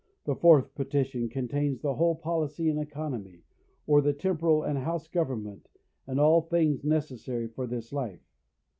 The fourth petition containeth the whole policy and economy, or the temporal and house government, and all things necessary for this life.